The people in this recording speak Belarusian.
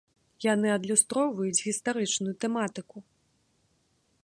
Яны адлюстроўваюць гістарычную тэматыку.